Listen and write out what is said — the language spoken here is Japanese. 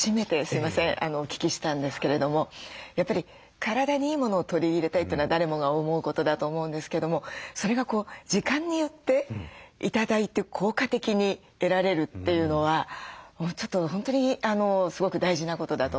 お聞きしたんですけれどもやっぱり体にいいものを取り入れたいというのは誰もが思うことだと思うんですけどもそれが時間によって頂いて効果的に得られるというのはちょっと本当にすごく大事なことだと思って。